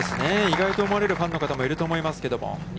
意外と思われるファンの方もいると思いますけど。